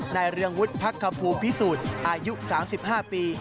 ในเรืองวุฒิภักษ์คพูพิสูจน์อายุสามสิบห้าปี